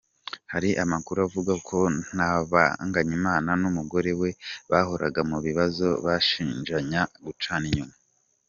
Hari amakuru avuga ko Ntabanganyimana n’umugore we bahoraga mu bibazo bashinjanya gucana inyuma.